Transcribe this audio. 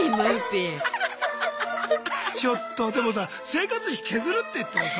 ちょっとでもさ生活費削るっていってもさギリギリよ？